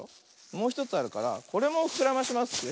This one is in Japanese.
もうひとつあるからこれもふくらまします。